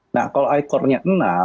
nah kalau i core nya enam